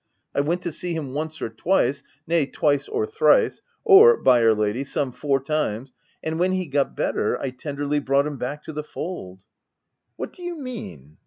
" I went to see him once or twice — nay, twice or thrice— or, by'r lady, some four times, — and when he got better, I tenderly brought him back to the fold." "What do you mean?"